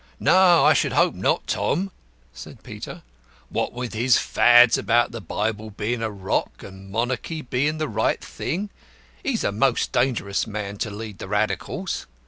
"No, I should hope not, Tom," said Peter. "What with his Fads about the Bible being a Rock, and Monarchy being the right thing, he is a most dangerous man to lead the Radicals.